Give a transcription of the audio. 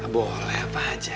boleh apa aja